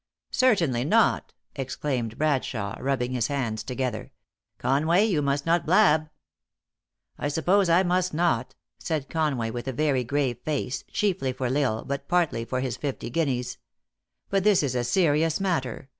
" Certainly not," exclaimed Bradshawe, rubbing his hands together. " Con way, you must not blab." " i suppose I must not," said Conway, with a very grave face, chiefly for L Isle, but partly for his fifty guineas. " But this is a serious matter.